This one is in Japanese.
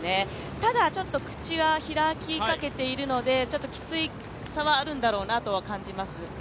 ただ、ちょっと口は開きかけているのできつい差はあるんだろうなとは感じます。